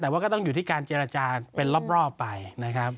แต่ว่าก็ต้องอยู่ที่การเจรจาเป็นรอบไปนะครับ